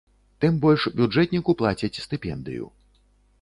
Тым больш, бюджэтніку плацяць стыпендыю.